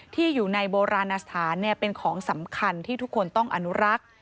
ที่อยู่ในโบราณสถานเป็นของสำคัญที่ทุกคนต้องอนุรักษ์